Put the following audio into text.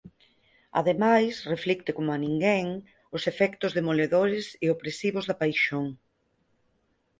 Ademais reflicte como ninguén os efectos demoledores e opresivos da paixón.